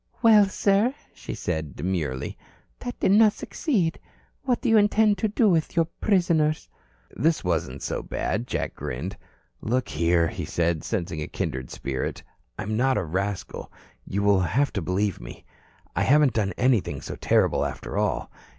"Well, sir," she said, demurely, "that did not succeed. What do you intend to do with your prisoners?" This wasn't so bad. Jack grinned. "Look here," he said, sensing a kindred spirit. "I'm not a rascal. You will have to believe me. I haven't done anything so terrible, after all.